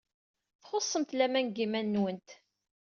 Txuṣṣemt laman deg yiman-nwent.